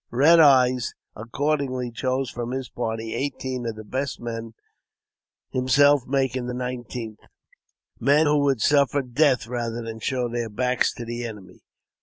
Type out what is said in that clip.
Red Eyes accordingly chose from his party eighteen of the best men, himself making the nineteenth — men who would suffer death rather than show their backs to the enemy.